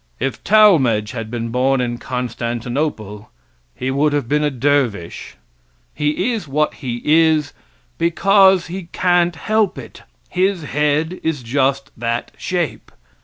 If Talmage had been born in Constantinople he would have been a dervish. He is what he is because he can't help it. His head is just that shape.